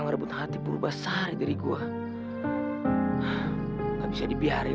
ngerebut hati berubah sari dari gua nggak bisa dibiarin